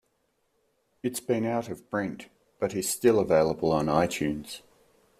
It's been out-of-print, but is still available on iTunes.